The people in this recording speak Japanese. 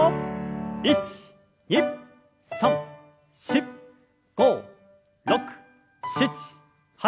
１２３４５６７８。